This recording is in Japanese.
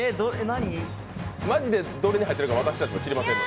マジでどれに入っているか私たちも知りません。